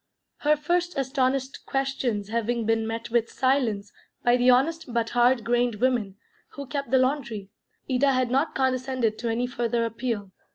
Her first astonished questions having been met with silence by the honest but hard grained woman who kept the laundry, Ida had not condescended to any further appeal.